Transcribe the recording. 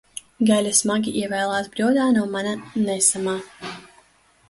Gaļa smagi ievēlās bļodā no mana nesamā.